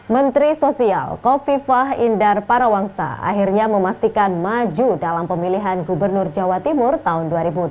menteri sosial kofifah indar parawangsa akhirnya memastikan maju dalam pemilihan gubernur jawa timur tahun dua ribu delapan belas